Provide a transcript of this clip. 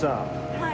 はい。